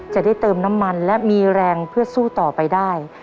จะได้เติมน้ำมันและมีแรงเพื่อสู้ต่อไปได้